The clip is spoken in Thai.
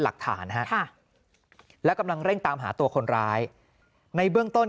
หลักฐานฮะค่ะแล้วกำลังเร่งตามหาตัวคนร้ายในเบื้องต้น